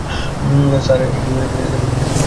Sir, আপনিই লিখুন।